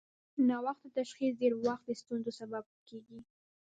ناوخته تشخیص ډېری وخت د ستونزو سبب کېږي.